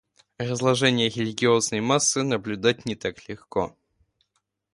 Разложение религиозной массы наблюдать не так легко.